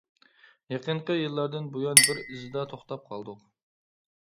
يېقىنقى يىللاردىن بۇيان بىر ئىزىدا توختاپ قالدۇق.